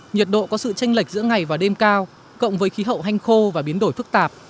nhiệt độ có sự tranh lệch giữa ngày và đêm cao cộng với khí hậu hanh khô và biến đổi phức tạp